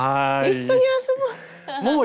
「一緒に遊ぼう」。